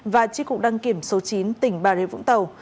và tri cục đăng kiểm số chín tỉnh bà rịa vũng tàu